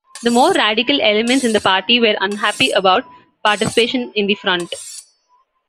The more radical elements in the party were unhappy about participation in the Front.